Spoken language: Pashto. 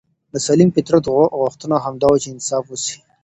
د سلیم فطرت غوښتنه همدا ده چي انصاف وسي.